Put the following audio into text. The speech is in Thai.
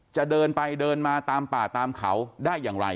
จะเดินไปเดินมาตามป่าตามเขาได้อย่างไร